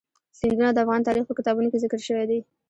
سیندونه د افغان تاریخ په کتابونو کې ذکر شوی دي.